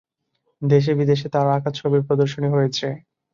দেশে বিদেশে তার আঁকা ছবির প্রদর্শনী হয়েছে।